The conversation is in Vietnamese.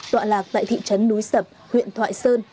tọa lạc tại thị trấn núi sập huyện thoại sơn